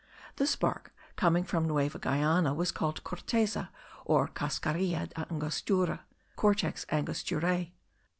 This bark, coming from Nueva Guiana, was called corteza or cascarilla del Angostura (Cortex Angosturae).